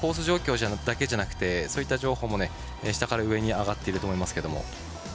情報だけじゃなくてそういった情報も下から上に上がっていると思います。